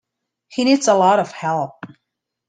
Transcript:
He needs a lot of help.